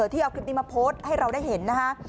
ที่เอาคลิปนี้มาโพสต์ให้เราได้เห็นนะคะ